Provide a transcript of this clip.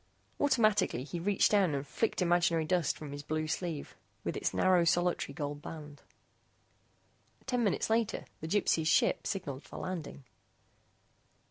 Automatically he reached down and flicked imaginary dust from his blue sleeve with its narrow solitary gold band. Ten minutes later the Gypsy's ship signaled for landing.